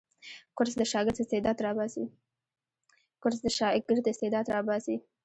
کورس د شاګرد استعداد راباسي.